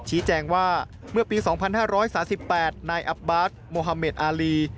ชี้แจงว่าเมื่อปี๒๕๓๘นายอับบาร์ดโมฮาเมดอารี